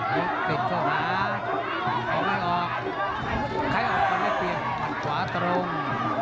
อ๋อติดโทรศาสตร์ออกแล้วออกใครออกก็ได้เปลี่ยนมันขวาตรง